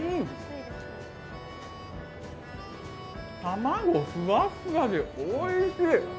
卵ふわふわでおいしい。